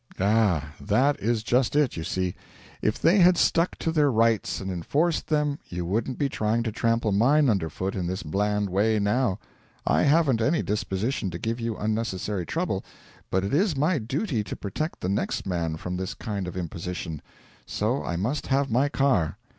'Ah, that is just it, you see. If they had stuck to their rights and enforced them you wouldn't be trying to trample mine underfoot in this bland way now. I haven't any disposition to give you unnecessary trouble, but it is my duty to protect the next man from this kind of imposition. So I must have my car.